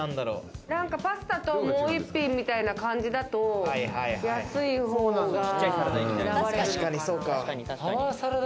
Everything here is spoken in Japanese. なんかパスタと、もう一品みたいな感じだと安いほうが選ばれる。